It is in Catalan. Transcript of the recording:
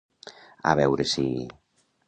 A veure si...